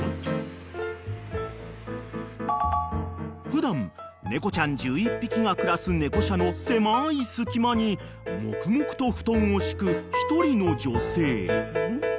［普段猫ちゃん１１匹が暮らす猫舎の狭い隙間に黙々と布団を敷く１人の女性］